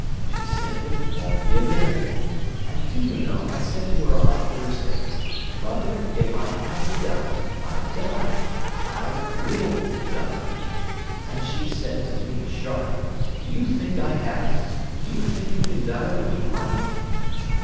She simply won't give in. And do you know, I said to her on Thursday: 'Mother, if I had to die, I'd die. I'd will to die.' And she said to me, sharp: 'Do you think I haven't? Do you think you can die when you like?